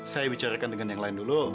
saya bicarakan dengan yang lain dulu